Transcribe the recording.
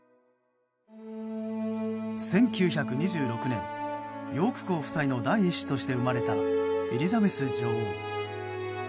１９２６年ヨーク公夫妻の第１子として生まれたエリザベス女王。